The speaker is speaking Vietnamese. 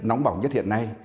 nóng bỏng nhất hiện nay